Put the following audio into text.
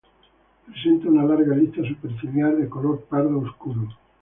Presenta una larga lista superciliar de color pardo oscuro.